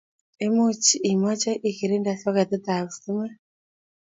much imache ikirinde soketit ab stimet